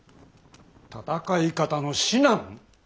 戦い方の指南？